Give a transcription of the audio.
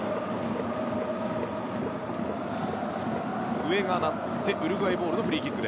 笛が鳴ってウルグアイボールのフリーキック。